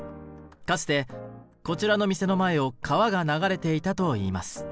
かつてこちらの店の前を川が流れていたといいます。